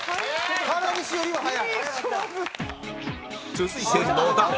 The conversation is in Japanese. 続いて野田